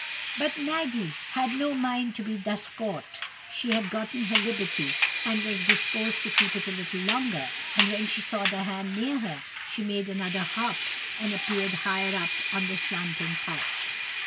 But Maggy had no mind to be thus caught; she had gotten her liberty, and she was disposed to keep it a little longer; and when she saw the hand near her, she made another hop, and appeared higher up on the slanting thatch.